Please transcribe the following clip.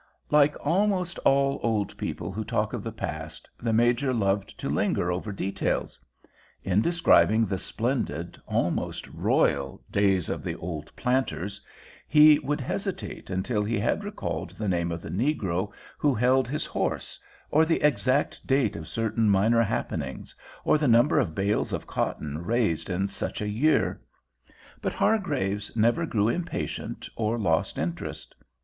Like almost all old people who talk of the past, the Major loved to linger over details. In describing the splendid, almost royal, days of the old planters, he would hesitate until he had recalled the name of the negro who held his horse, or the exact date of certain minor happenings, or the number of bales of cotton raised in such a year; but Hargraves never grew impatient or lost interest.